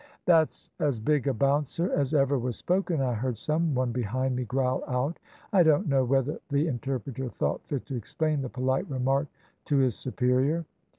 "`That's as big a bouncer as ever was spoken,' I heard some one behind me growl out. I don't know whether the interpreter thought fit to explain the polite remark to his superior.